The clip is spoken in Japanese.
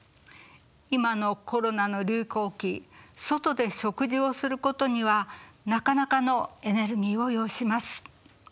今のコロナの流行期外で食事をすることにはなかなかのエネルギーを要します。